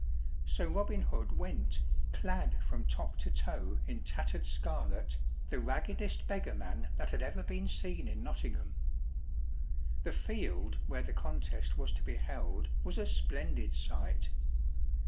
So Robin Hood went, clad from top to toe in tattered scarlet, the raggedest beggarman that had ever been seen in Nottingham. The field where the contest was to be held was a splendid sight.